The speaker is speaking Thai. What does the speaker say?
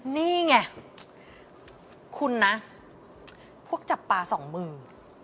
นี่ไงคุณนะพวกจับปลาสองมือ